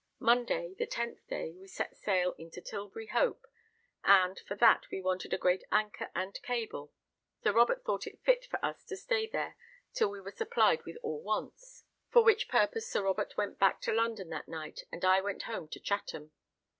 Monday, the 10th day, we set sail into Tilbury Hope, and, for that we wanted a great anchor and cable, Sir Robert thought it fit for us to stay there till we were supplied with all wants, for which purpose Sir Robert went back to London that night, and I went home to Chatham.